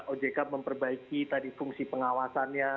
ojk memperbaiki tadi fungsi pengawasannya